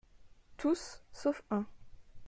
Tous, sauf un.